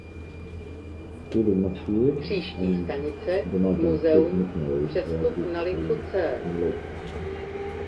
School in Nasir and the Nugent Church Missionary Society School in Loka.